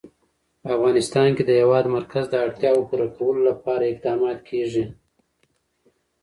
په افغانستان کې د د هېواد مرکز د اړتیاوو پوره کولو لپاره اقدامات کېږي.